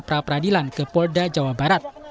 pra peradilan ke polda jawa barat